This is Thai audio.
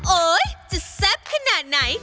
โอ๊ยจะแซ่บขนาดไหน